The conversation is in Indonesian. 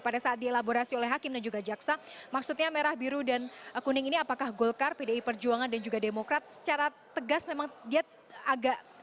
pada saat dielaborasi oleh hakim dan juga jaksa maksudnya merah biru dan kuning ini apakah golkar pdi perjuangan dan juga demokrat secara tegas memang dia agak